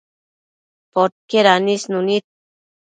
Podquied anisnu nid